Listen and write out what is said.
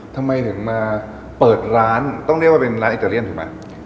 ทำไมถึงมาเปิดร้านต้องเรียกว่าเป็นร้านอิตาเลียนถูกไหม